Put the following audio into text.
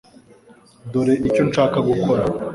Dore icyo nshaka gukora .